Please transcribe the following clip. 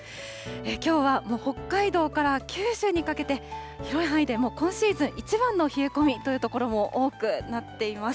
きょうはもう北海道から九州にかけて、広い範囲で今シーズン一番の冷え込みという所も多くなっています。